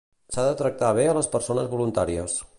S'ha de tractar bé a les persones voluntàries.